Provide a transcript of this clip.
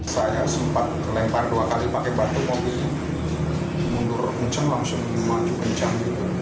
saya sempat lempar dua kali pakai batu kopi mundur hujan langsung maju kencang